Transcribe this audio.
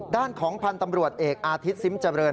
ด้านของพันธ์ตำรวจเอกอาทิตย์ซิมเจริญ